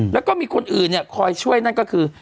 แล้วก็มีคนอื่นเนี่ยคอยช่วยนั่นก็คือ